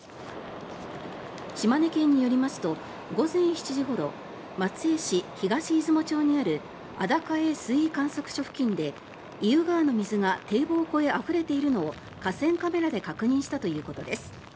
島根県によりますと午前７時ごろ松江市東出雲町にある出雲郷水位観測所付近で意宇川の水が堤防を越えあふれているのを河川カメラで確認したということです。